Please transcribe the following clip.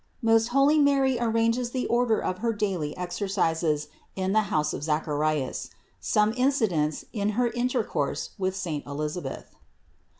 MOST HOLY MARY ARRANGES THE ORDER OF HER DAILY EXERCISES IN THE HOUSE OF ZACH ARIAS; SOME IN CIDENTS IN HER INTERCOURSE WITH SAINT ELISA BETH.